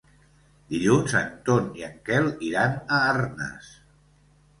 Dilluns en Ton i en Quel iran a Arnes.